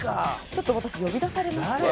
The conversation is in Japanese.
ちょっと私呼び出されまして。